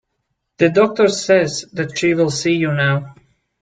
The doctor says that she will see you now.